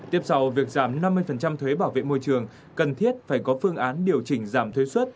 tiếp sau việc giảm năm mươi thuế bảo vệ môi trường cần thiết phải có phương án điều chỉnh giảm thuế xuất